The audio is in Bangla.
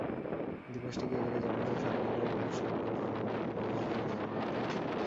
দিবসটিকে ঘিরে জাপানসহ সারা দুনিয়ার মানুষ স্মরণ করবে পারমাণবিক বোমা হামলার ভয়াবহতা।